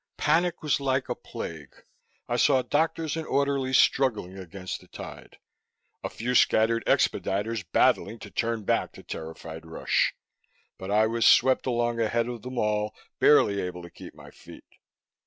Panic was like a plague. I saw doctors and orderlies struggling against the tide, a few scattered expediters battling to turn back the terrified rush. But I was swept along ahead of them all, barely able to keep my feet.